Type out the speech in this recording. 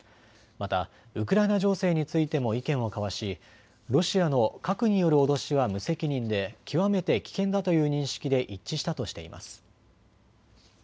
またウクライナ情勢についても意見を交わしロシアの核による脅しは無責任で極めて危険だという認識で一致したとしています。